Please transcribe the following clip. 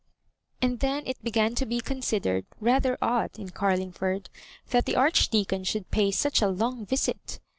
And then it began to be considered rather odd in Carlingford that the Archdeacon should pay such a long visit.